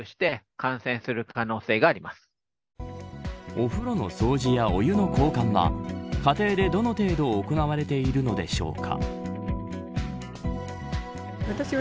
お風呂の掃除やお湯の交換は家庭でどの程度行われているのでしょうか。